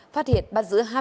phát hiện bắt giữ